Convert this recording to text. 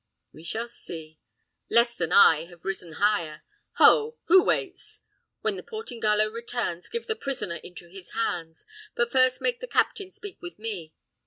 We shall see. Less than I have risen higher! Ho! Who waits? When the Portingallo returns, give the prisoner into his hands; but first make the captain speak with me.